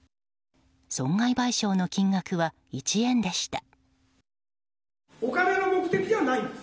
損害賠償の金額は１円でした。